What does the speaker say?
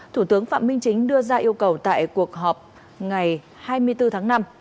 thủ tướng phạm minh chính đưa ra yêu cầu tại cuộc họp ngày hai mươi bốn tháng năm